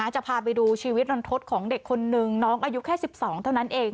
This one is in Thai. จะพาไปดูชีวิตรันทศของเด็กคนนึงน้องอายุแค่๑๒เท่านั้นเอง